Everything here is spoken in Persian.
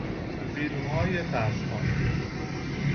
فیلمهای ترسناک